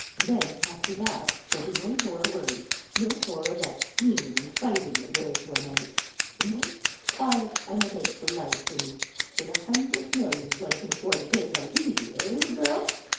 And then, after that, there'll be no more worries, no more of that scheming and fighting that wears one out. A nice, quiet, uneventful life for me! ... With a hundred millions one can afford to take life easy, eh, little girl?